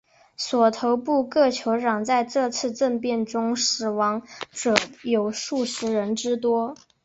索头部各酋长在这次政变中死亡者有数十人之多。